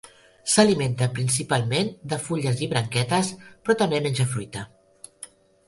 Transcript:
S'alimenta principalment de fulles i branquetes, però també menja fruita.